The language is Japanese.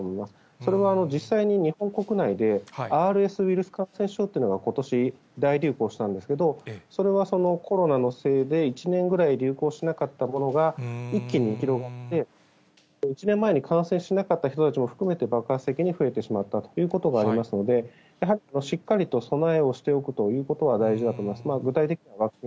それは実際に日本国内で、ＲＳウイルス感染症というのがことし大流行したんですけれども、それはコロナのせいで、１年ぐらい流行しなかったものが一気に広がって、１年前に感染しなかった人たちも含めて爆発的に増えてしまったということがありますので、やはりしっかりと備えをしておくということは大事だと思います。